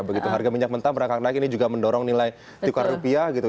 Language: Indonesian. begitu harga minyak mentah berangkat naik ini juga mendorong nilai tukar rupiah gitu